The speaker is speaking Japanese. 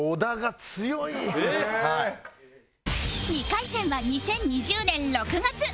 ２回戦は２０２０年６月